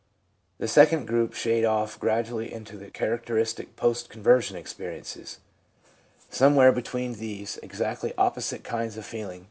The second group shade off gradually into the characteristic post conversion experiences. Somewhere between these exactly opposite kinds of feeling there is 1 Man and Woman > chap.